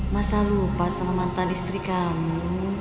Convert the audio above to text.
masa lupa selamatan listri kamu